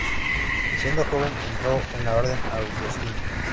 Siendo joven entró en la orden agustina.